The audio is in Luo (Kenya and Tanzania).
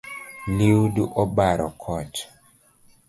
Liudu obaro koch .